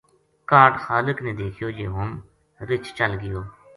کاہڈ خالق نے دیکھیو جے ہن رچھ چل گیو